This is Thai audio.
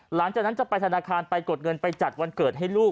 หลังจากนั้นจะไปธนาคารไปกดเงินไปจัดวันเกิดให้ลูก